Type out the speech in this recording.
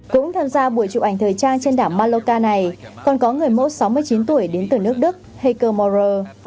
cũng tham gia buổi chụp ảnh thời trang trên đảo mallorca này còn có người mẫu sáu mươi chín tuổi đến từ nước đức heike maurer